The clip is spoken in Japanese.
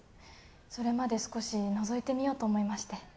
それまで少しのぞいてみようと思いまして。